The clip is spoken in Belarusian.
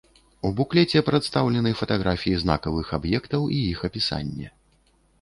У буклеце прадстаўлены фатаграфіі знакавых аб'ектаў і іх апісанне.